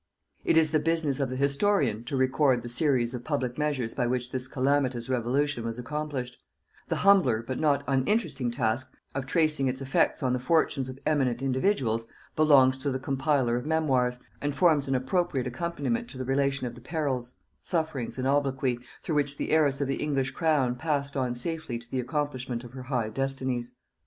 It is the business of the historian to record the series of public measures by which this calamitous revolution was accomplished: the humbler but not uninteresting task, of tracing its effects on the fortunes of eminent individuals, belongs to the compiler of memoirs, and forms an appropriate accompaniment to the relation of the perils, sufferings and obloquy, through which the heiress of the English crown passed on safely to the accomplishment of her high destinies.